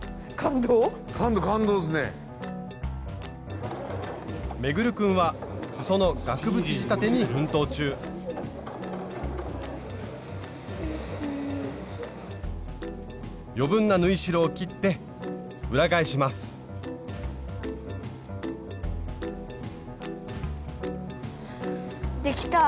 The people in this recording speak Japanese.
運君はすその額縁仕立てに奮闘中余分な縫い代を切って裏返します額縁できた？